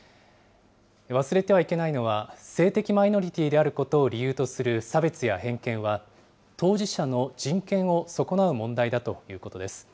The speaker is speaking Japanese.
忘れてはいけないのは、性的マイノリティーであることを理由とする差別や偏見は、当事者の人権を損なう問題だということです。